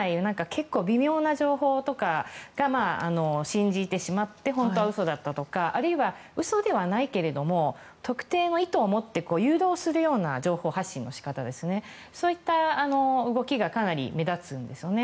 結構微妙な情報とかを信じてしまって本当は嘘だったとかあるいは、嘘ではないけれども特定の意図をもって誘導するような情報発信の仕方そういった動きがかなり目立つんですよね。